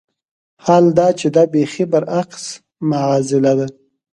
حال دا چې دا بېخي برعکس معاضله ده.